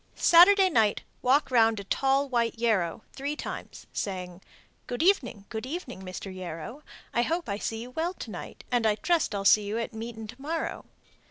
Saturday night walk round a tall white yarrow three times, saying, Good evening, good evening, Mr. Yarrow. I hope I see you well to night, And trust I'll see you at meetin' to morrow.